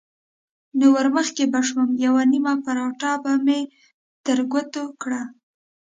نو ورمخکې به شوم، یوه نیمه پراټه به مې تر ګوتو کړه.